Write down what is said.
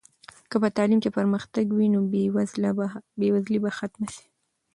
که په تعلیم کې پرمختګ وي نو بې وزلي به ختمه سي.